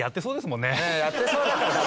やってそうだからダメ。